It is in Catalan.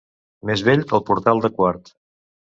Més vell que el portal de Quart.